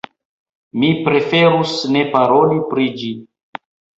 Mi preferus ne paroli pri ĝi.